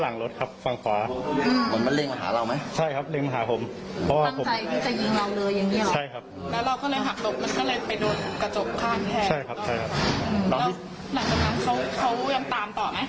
หลังจากนั้นเขายังตามต่อไหม